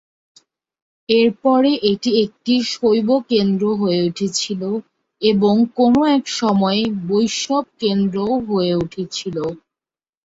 এরপরে এটি একটি শৈব কেন্দ্র হয়ে উঠেছিল এবং কোনও এক সময়ে বৈষ্ণব কেন্দ্রও হয়ে উঠেছিল।